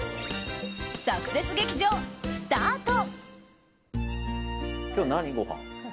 サクセス劇場、スタート！